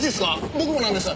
僕もなんです！